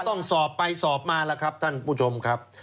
ต้องสอบไปสอบมาแล้วครับท่านผู้ชมครับ